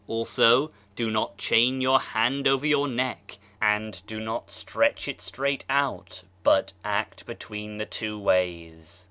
Also, "Do not chain your hand over your neck, and do not stretch it straight out, but act between the two ways."